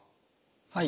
はい。